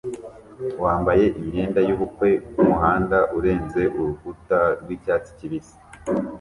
wambaye imyenda yubukwe kumuhanda urenze urukuta rwicyatsi kibisi